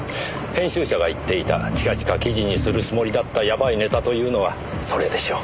編集者が言っていた近々記事にするつもりだったやばいネタというのはそれでしょう。